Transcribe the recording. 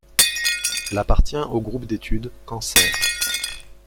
Elle appartient au groupe d'études Cancer.